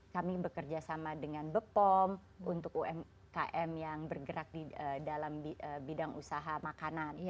kami bekerja sama dengan bepom untuk umkm yang bergerak di dalam bidang usaha makanan